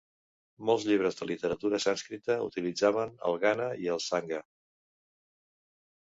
Molts llibres de literatura sànscrita utilitzaven els gana i els sangha.